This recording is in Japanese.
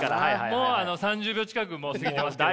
もう３０秒近くもう過ぎてますけど。